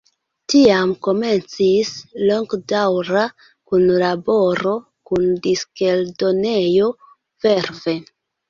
Tiam komencis longdaŭra kunlaboro kun diskeldonejo Verve.